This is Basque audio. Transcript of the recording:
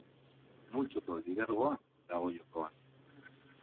Multzoko lidergoa dago jokoan.